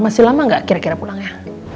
masih lama nggak kira kira pulangnya